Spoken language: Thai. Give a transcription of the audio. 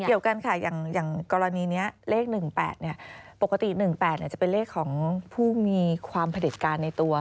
เกี่ยวกันค่ะอย่างกรณีนี้เลข๑๘ปกติ๑๘จะเป็นเลขของผู้มีความผลิตการในตัว